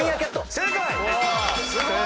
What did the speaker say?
正解！